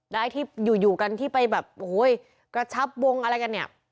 ได้อยู่กันที่ไปแบบขชับวงอะไรกันเนี่ย